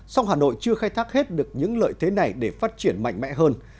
song hà nội chưa khai thác hết được những lợi thế này để phát triển mạnh mẽ hơn